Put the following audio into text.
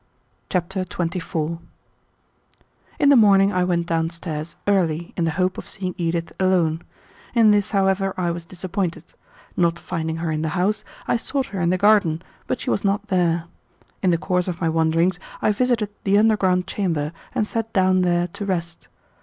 Chapter 24 In the morning I went down stairs early in the hope of seeing Edith alone. In this, however, I was disappointed. Not finding her in the house, I sought her in the garden, but she was not there. In the course of my wanderings I visited the underground chamber, and sat down there to rest.